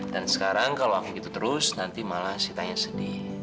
dan sekarang kalau aku gitu terus nanti malah si tanya sedih